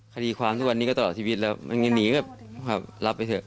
คดีความทุกวันนี้ก็ตลอดชีวิตแล้วมันยังหนีแบบรับไปเถอะ